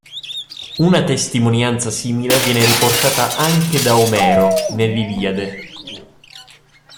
Una testimonianza simile viene riportata anche da Omero, nell'Iliade.